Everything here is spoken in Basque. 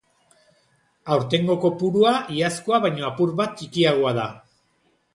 Aurtengo kopurua iazkoa baino apur bat txikiagoa da.